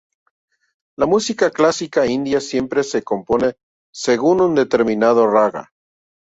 La música clásica india siempre se compone según un determinado "raga".